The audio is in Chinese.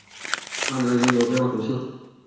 阿南人口变化图示